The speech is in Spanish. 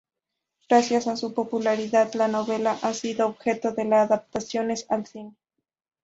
Gracias a su popularidad, la novela ha sido objeto de adaptaciones al cine.